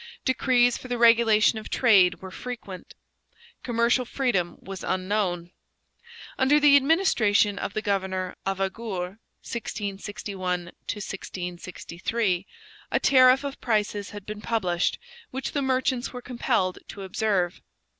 Decrees for the regulation of trade were frequent. Commercial freedom was unknown. Under the administration of the governor Avaugour (1661 63) a tariff of prices had been published, which the merchants were compelled to observe.